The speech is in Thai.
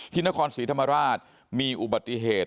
นครศรีธรรมราชมีอุบัติเหตุ